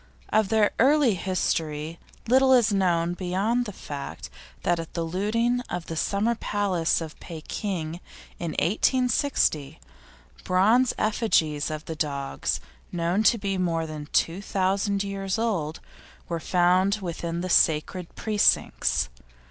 Of their early history little is known, beyond the fact that at the looting of the Summer Palace of Pekin, in 1860, bronze effigies of these dogs, known to be more than two thousand years old, were found within the sacred precincts.